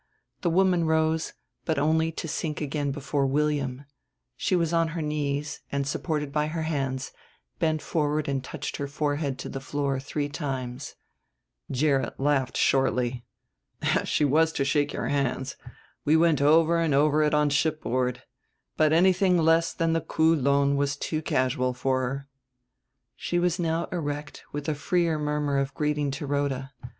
The woman rose, but only to sink again before William: she was on her knees and, supported by her hands, bent forward and touched her forehead to the floor three times. Gerrit laughed shortly. "She was to shake your hands; we went over and over it on shipboard. But anything less than the Kûl'on was too casual for her." She was now erect with a freer murmur of greeting to Rhoda.